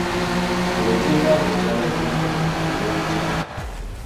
Emicungwa gye gyabadde myengevu bulungi.